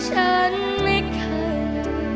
ฉันไม่เคย